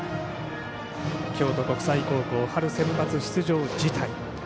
京都国際高校春センバツ出場辞退。